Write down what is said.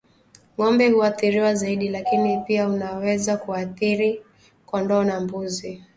Ng'ombe huathiriwa zaidi lakini pia unaweza kuathiri kondoo na mbuzi